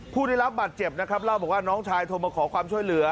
ผู้ได้รับบาดเจ็บนะครับเล่าบอกว่าน้องชายโทรมาขอความช่วยเหลือ